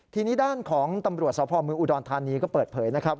ทีนี้ด้านของตำรวจสพเมืองอุดรธานีก็เปิดเผยนะครับ